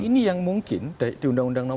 ini yang mungkin di undang undang